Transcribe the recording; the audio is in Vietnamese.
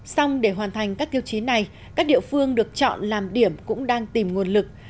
xong để hoàn thành các tiêu chí này các địa phương được chọn làm điểm cũng đang tìm nguồn lực